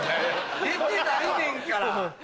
出てないねんから！